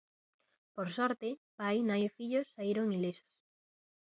Por sorte, pai, nai e fillo saíron ilesos.